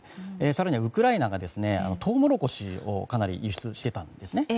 更にはウクライナがトウモロコシをかなり輸出していたんですね。